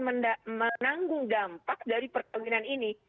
menanggung dampak dari perkawinan ini